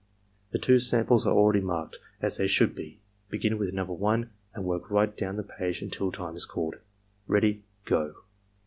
The two samples are already marked as they should be. Begin with No. 1 and work right down the page imtil time is called.' — Ready — Go!"